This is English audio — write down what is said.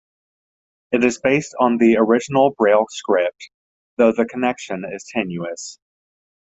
It is based on the original braille script, though the connection is tenuous.